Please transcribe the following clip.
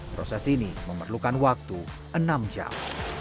proses ini memerlukan waktu enam jam